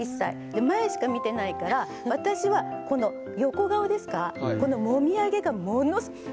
で前しか見てないから私はこの横顔ですかこのもみあげがものすウフフ。